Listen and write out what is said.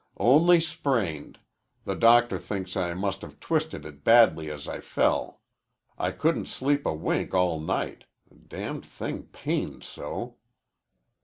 "Only sprained. The doctor thinks I must have twisted it badly as I fell. I couldn't sleep a wink all night. The damned thing pained so."